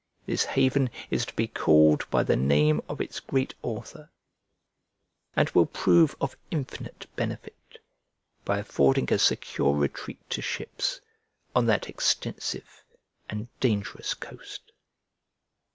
This haven is to be called by the name of its great author, and will prove of infinite benefit, by affording a secure retreat to ships on that extensive and dangerous coast.